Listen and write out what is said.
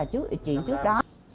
chỉ đến trước đó